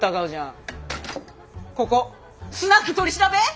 ここ「スナック取り調べ」！？